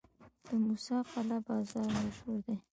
د موسی قلعه بازار مشهور دی